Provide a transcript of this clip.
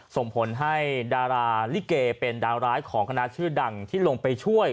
ส่งผลให้ดาราลิเกเป็นดาวร้ายของคณะชื่อดังที่ลงไปช่วย